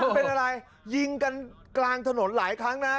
เป็นอะไรยิงกันกลางถนนหลายครั้งนะ